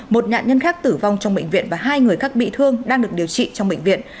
một nạn nhân khác tử vong trong bệnh viện và hai người khác bị thương đang được điều trị trong bệnh viện